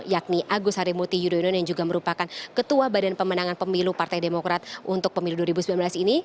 yakni agus harimurti yudhoyono yang juga merupakan ketua badan pemenangan pemilu partai demokrat untuk pemilu dua ribu sembilan belas ini